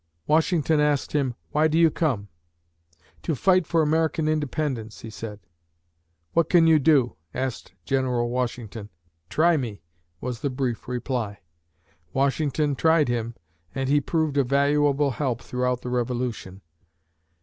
Washington asked him, "Why do you come?" "To fight for American Independence," he said. "What can you do?" asked General Washington. "Try me!" was the brief reply. Washington "tried him," and he proved a valuable help throughout the Revolution.